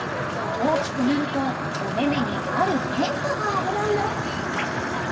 ［大きくなるとおめめにある変化が］